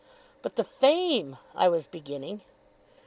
'But the fame ' I was beginning.